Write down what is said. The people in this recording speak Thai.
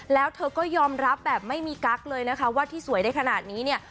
แล้วเธอก็ยอมรับแบบไม่มีกั๊กเลยนะคะว่าที่สวยได้ขนาดนี้เนี่ย